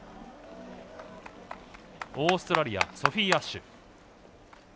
オーストラリアソフィー・アッシュ。